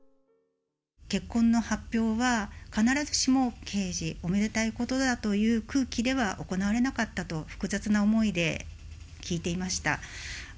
結婚の発表は、必ずしも慶事、おめでたいことだという空気では行われなかったと、複雑な思いで聞いていました。